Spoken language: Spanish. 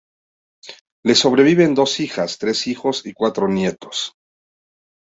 Le sobreviven dos hijas, tres hijos y cuatro nietos.